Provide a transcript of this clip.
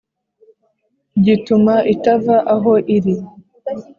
gituma itava aho iri